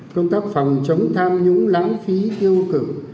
công tác phòng chống tham nhũng lãng phí tiêu cực